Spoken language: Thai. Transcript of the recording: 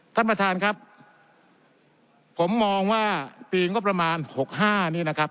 ท่านประธานครับผมมองว่าปีงบประมาณหกห้านี่นะครับ